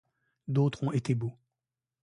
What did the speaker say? D’autres ont été beaux.